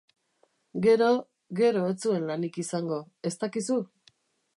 Gero, gero ez zuen lanik izango, ez dakizu?